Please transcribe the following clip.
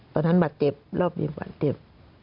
ตอนนั้นบาดเจ็บรอบนี้บาดเจ็บ